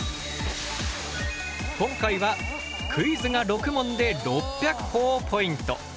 今回はクイズが６問で６００ほぉポイント。